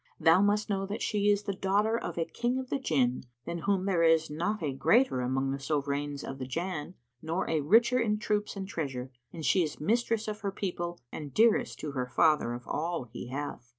Thou must know that she is the daughter of a King of the Jinn, than whom there is not a greater among the Sovrans of the Jann nor a richer in troops and treasure, and she is mistress of her people and dearest to her father of all he hath.